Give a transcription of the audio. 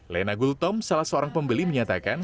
lena gultom salah seorang pembeli menyatakan